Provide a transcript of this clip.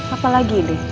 apa lagi deh